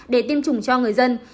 để tiêm chủng cho người dân